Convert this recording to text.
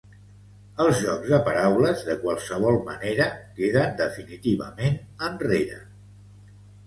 Els jocs de paraules, de qualsevol manera, queden definitivament enrere.